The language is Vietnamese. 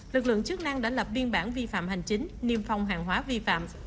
lực lượng chức năng đã lập biên bản vi phạm hành chính niêm phong hàng hóa vi phạm